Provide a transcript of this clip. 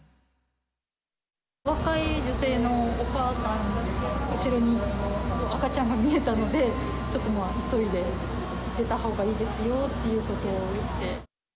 若い女性のお母さんで、後ろに赤ちゃんが見えたので、ちょっと急いで、出たほうがいいですよということを言って。